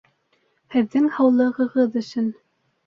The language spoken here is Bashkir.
Һеҙҙең һаулығығыҙ өсөн!